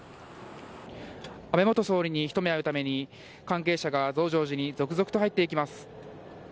安倍元総理に一目会うために関係者が増上寺に続々と入っていきます。